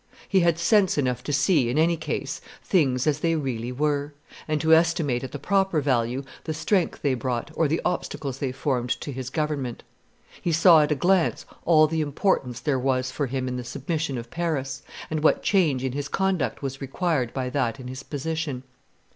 He had sense enough to see, in any case, things as they really were, and to estimate at the proper value the strength they brought or the obstacles they formed to his government. He saw at a glance all the importance there was for him in the submission of Paris, and what change in his conduct was required by that in his position.